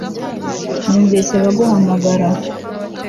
numvise baguhamagara